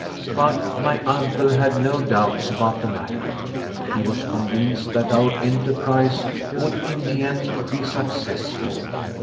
But my uncle had no doubts about the matter. He was convinced that our enterprise would in the end be successful.